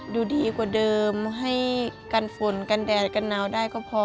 ดูดีกว่าเดิมให้กันฝนกันแดดกันหนาวได้ก็พอ